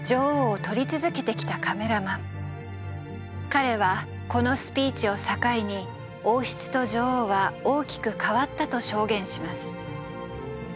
彼はこのスピーチを境に王室と女王は大きく変わったと証言します。